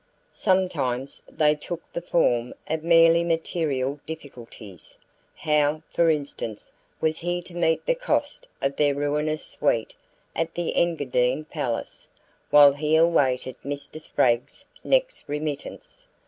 Sometimes they took the form of merely material difficulties. How, for instance, was he to meet the cost of their ruinous suite at the Engadine Palace while he awaited Mr. Spragg's next remittance?